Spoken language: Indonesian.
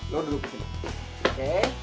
lo duduk disini oke